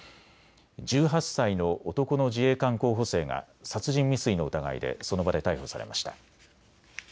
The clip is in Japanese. １８歳の男の自衛官候補生が殺人未遂の疑いでその場で逮捕されました。